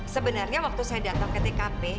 sebenarnya waktu saya datang ke tkp